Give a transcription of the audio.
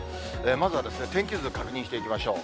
まずは天気図で確認していきましょう。